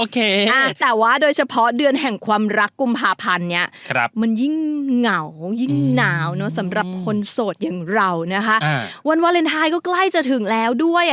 คนโสดอย่างเรานะฮะอ่าวันวาเลนไทยก็ใกล้จะถึงแล้วด้วยอ่ะ